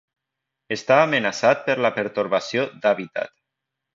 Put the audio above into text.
Està amenaçat per la pertorbació d'hàbitat.